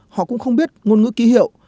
họ cũng không biết ngôn ngữ ký hiệu